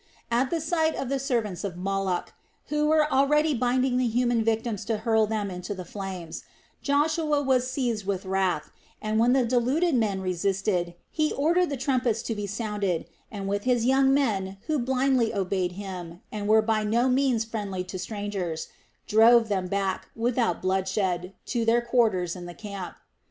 At the sight of the servants of Moloch, who were already binding the human victims to hurl them into the flames, Joshua was seized with wrath and, when the deluded men resisted, he ordered the trumpets to be sounded and with his young men who blindly obeyed him and were by no means friendly to the strangers, drove them back, without bloodshed, to their quarters in the camp.